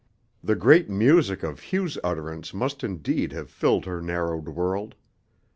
The great music of Hugh's utterance must indeed have filled her narrowed world.